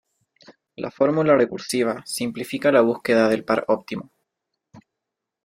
La fórmula recursiva simplifica la búsqueda del par óptimo.